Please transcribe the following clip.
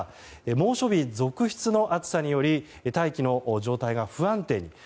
猛暑日続出の暑さにより大気の状態が不安定に。